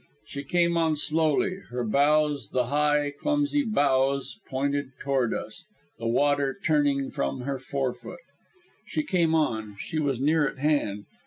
She came on slowly; her bows, the high, clumsy bows pointed toward us, the water turning from her forefoot. She came on; she was near at hand.